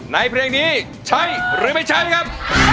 เพลงนี้ใช้หรือไม่ใช้ครับ